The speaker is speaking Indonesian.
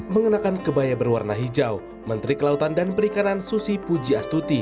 mengenakan kebaya berwarna hijau menteri kelautan dan perikanan susi pujiastuti